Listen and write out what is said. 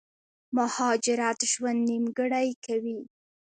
مهاجرت ژوند نيمګړی کوي